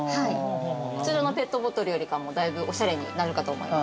普通のペットボトルよりか、だいぶおしゃれになると思います。